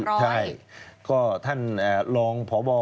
คือใช่เขาท่านรองพบ